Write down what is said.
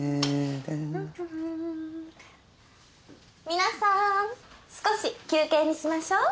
皆さん少し休憩にしましょう。